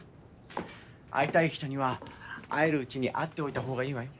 会いたい人には会えるうちに会っておいた方がいいわよ。